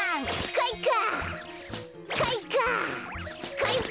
かいか！